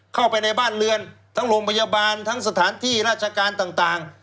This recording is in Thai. เข้าไปในบ้านเรือนทั้งโรงพยาบาลทั้งสถานที่ราชการต่าง